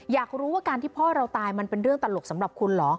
อยากรู้ว่าการที่พ่อเราตายมันเป็นเรื่องตลกสำหรับคุณเหรอ